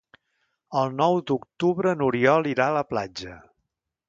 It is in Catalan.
El nou d'octubre n'Oriol irà a la platja.